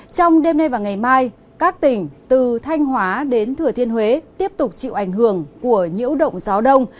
trong đêm nay và ngày mai các tỉnh từ thanh hóa đến thừa thiên huế tiếp tục chịu ảnh hưởng của nhiễu động gió đông